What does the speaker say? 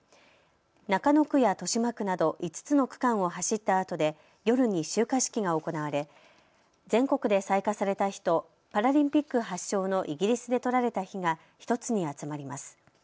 中野区や豊島区など５つの区間を走ったあとで夜に集火式が行われ全国で採火された火とパラリンピック発祥のイギリスで採られた火が１つに集まります。